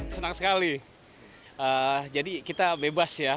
senang sekali jadi kita bebas ya